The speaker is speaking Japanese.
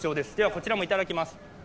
こちらもいただきます。